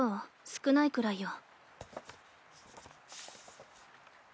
少ないくらいよ。